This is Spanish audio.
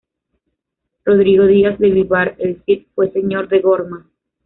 Rodrigo Díaz de Vivar, el Cid, fue señor de Gormaz.